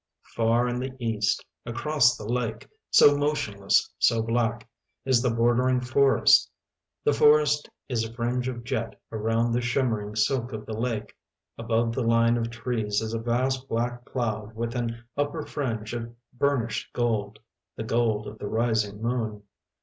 Far in the east, across the lake, so motionless, so black, is the bordering forest. The forest is a fringe of jet around the shimmering silk of the lake. Above the line of trees is a vast black cloud with an upper fringe of burnished gold — the gold of the rising moon.